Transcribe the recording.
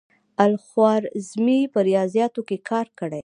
الخوارزمي په ریاضیاتو کې کار کړی.